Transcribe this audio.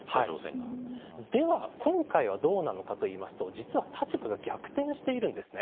では、今回はどうなのかといいますと立場が逆転しています。